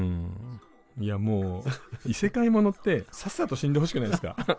いやもう異世界モノってさっさと死んでほしくないですか？